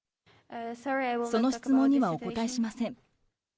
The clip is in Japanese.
その質問にはお答えしません。